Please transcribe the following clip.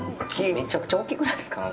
めちゃくちゃ大きくないですか？